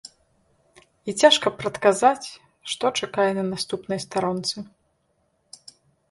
І цяжка прадказаць, што чакае на наступнай старонцы.